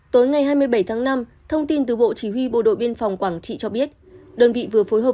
tối ngày hai mươi bảy tháng năm thông tin từ bộ chỉ huy bộ đội biên phòng quảng trị cho biết đơn vị vừa phối hợp